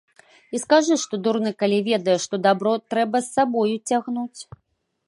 І скажы, што дурны, калі ведае, што дабро трэба з сабою цягнуць.